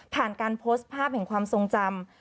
ผ่านการโพสต์ภาพของความทรงจำ